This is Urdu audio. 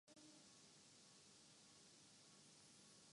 اہل فتنہ کے خلاف لڑنے کا حق ریاست کے لیے ثابت ہے۔